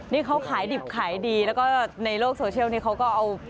นี่เขาขายดิบขายดีแล้วก็ในโลกโทรเซียลนี้เขาก็เอาภาพไปแชร์